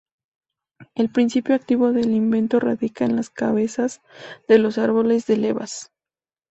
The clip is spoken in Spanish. El principio activo del invento radica en las cabezas de los árboles de levas.